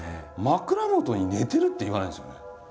「枕元に寝てる」って言わないんですよね。